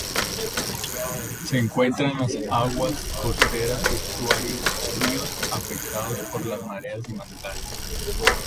Se encuentra en las aguas costeras, estuarios, ríos afectados por las mareas y manglares.